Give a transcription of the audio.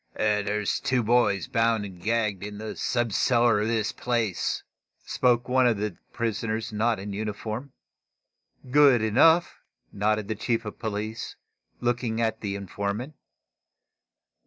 "There's two boys bound and gagged in the sub cellar of this place," spoke one of the two prisoners not in uniform. "Good enough," nodded the chief of police, looking at the informant.